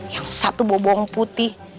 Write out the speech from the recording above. yang satu bawa bawang putih